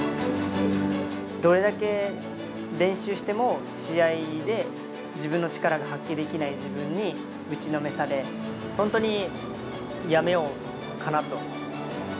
どれだけ練習しても、試合で自分の力が発揮できない自分に打ちのめされ、本当にやめようかなと。